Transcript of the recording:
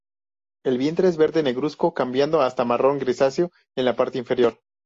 El vientre es verde negruzco cambiando hasta marrón grisáceo en la parte inferior.